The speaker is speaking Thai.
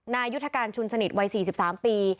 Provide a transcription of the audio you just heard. นายุทธการชุนสนิทวัย๔๓ปี